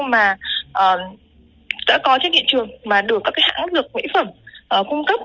mà đã có trên hiện trường và được các hãng dược mỹ phẩm cung cấp